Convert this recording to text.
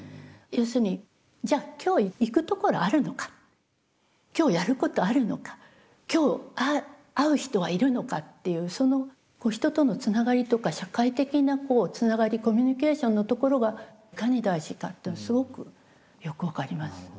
要するにじゃあ今日行く所あるのか今日やることあるのか今日会う人はいるのかっていうその人とのつながりとか社会的なこうつながりコミュニケーションのところがいかに大事かっていうのすごくよく分かります。